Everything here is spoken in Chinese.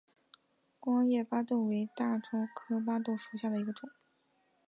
光叶巴豆为大戟科巴豆属下的一个种。